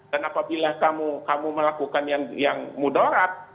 dan apabila kamu melakukan yang mudarat